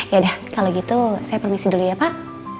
yaudah kalau gitu saya permisi dulu ya pak